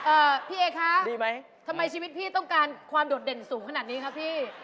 เอ่อพี่เอ๊ค่ะทำไมชีวิตพี่ต้องการความโดดเด่นสูงขนาดนี้ครับพี่